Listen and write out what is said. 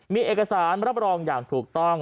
มีเอกสารรับรองอย่างถูกต้อง